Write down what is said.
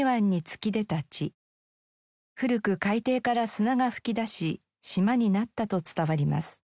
古く海底から砂が噴き出し島になったと伝わります。